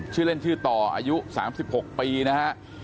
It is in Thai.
ชื่อเล่นชื่อต่ออายุ๓๖ปีนะฮะ